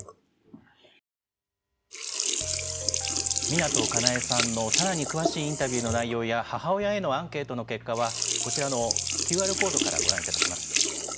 湊かなえさんのさらに詳しいインタビューの内容や母親へのアンケートの結果はこちらのＱＲコードからご覧いただけます。